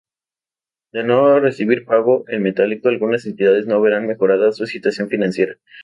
De no recibir pago en metálico algunas entidades no verán mejorada su situación financiera.